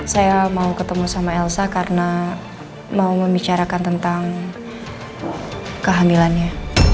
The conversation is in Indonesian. saya mau ketemu sama elsa karena mau membicarakan tentang kehamilannya